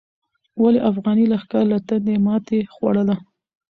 ولې افغاني لښکر له تندې ماتې خوړله؟